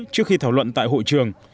trước khi thảo luận tại hội trường